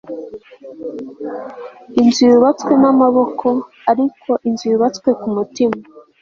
inzu yubatswe n'amaboko, ariko inzu yubatswe ku mutima